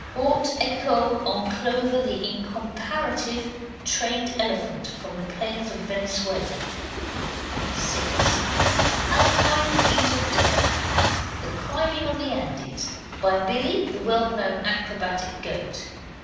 Haute ecole, on Clover, the incomparative trained elephant from the plains of Venezuela. 6. Alpine feat of daring. The climbing of the Andes, by Billy, the well known acrobatic goat.